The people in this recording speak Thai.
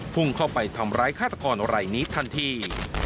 พุ่งเข้าไปทำร้ายฆาตกรอะไรนี้ทันที